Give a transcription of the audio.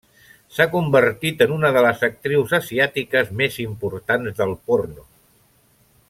S'ha convertit en una de les actrius asiàtiques més importants del porno.